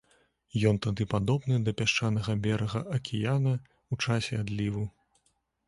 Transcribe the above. Ён тады падобны да пясчанага берага акіяна ў часе адліву.